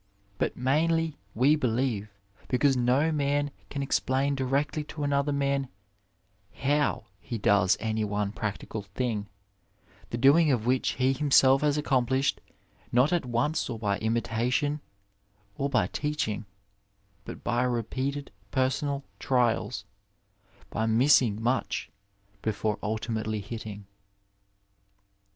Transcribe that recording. , but mainly, we believe, because no man can explain directiy to another man how he does any one practical thing, the doing of which he himself has accomplished not at once or by imitation, or by teaching, but by repeated personal trials, by missing much before ultimately hitting."